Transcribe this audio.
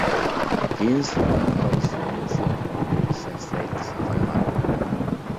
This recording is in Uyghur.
كېيىن سىڭلىمنىڭ بالىسىغىمۇ شۇ ئامالنى ئىشلەتسەك ساقايغان.